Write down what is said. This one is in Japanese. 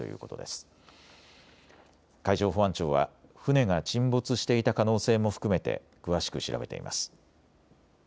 海上保安庁海上保安庁は船が沈没していた可能性も含めて詳しく調べています。